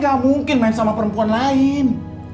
gak mungkin main sama perempuan lain